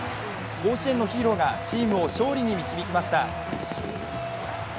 甲子園のヒーローがチームを勝利に導きました。